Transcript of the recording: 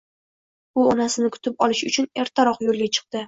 U onasini kutib olish uchun ertaroq yo`lga chiqdi